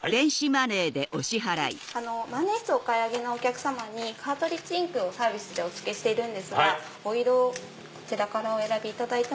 万年筆をお買い上げのお客様にカートリッジインクをサービスでお付けしているんですがお色をこちらお選びいただいて。